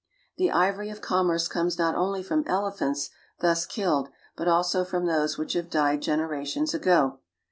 The ivory of commerce comes not only from elephants ; killed, but also from those which have died genera bos ago.